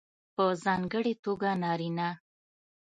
په ځانګړې توګه نارینه